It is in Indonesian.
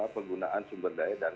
penggunaan sumber daya dan